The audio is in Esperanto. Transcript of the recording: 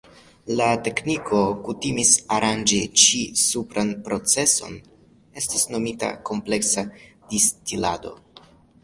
La tekniko kutimis aranĝi ĉi-supran proceson estas nomita kompleksa distilado.